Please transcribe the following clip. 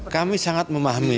kami sangat memahami